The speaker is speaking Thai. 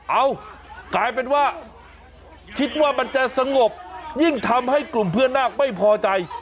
เอ้ากลายเป็นว่าคิดว่ามันจะสงบยิ่งทำให้กลุ่มเพื่อนนาคไม่พอใจ